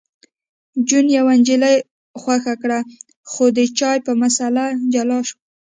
جون یوه نجلۍ خوښه کړه خو د چای په مسله جلا شول